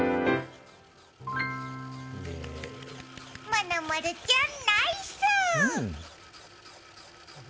まなまるちゃん、ナイス！